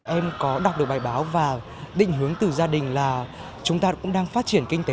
em có đọc được bài báo và định hướng từ gia đình là chúng ta cũng đang phát triển kinh tế